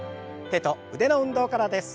手と腕の運動からです。